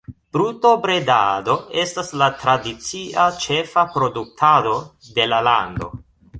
Brutobredado estas la tradicia ĉefa produktado de la lando.